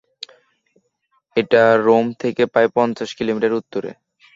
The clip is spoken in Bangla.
এটা রোম থেকে প্রায় পঞ্চাশ কিলোমিটার উত্তরে।